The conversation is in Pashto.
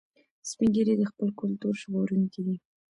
سپین ږیری د خپل کلتور ژغورونکي دي